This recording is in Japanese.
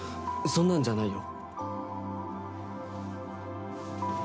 そんなんじゃないよ。